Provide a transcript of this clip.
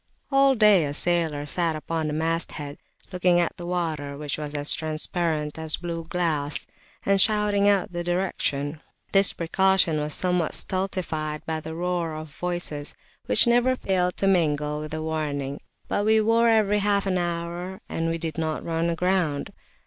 All day a sailor sat upon the masthead, looking at the water, which was transparent as blue glass, and shouting out the direction. This precaution was somewhat stultified by the roar of voices, which never [p.218] failed to mingle with the warning, but we wore every half hour, and we did not run aground.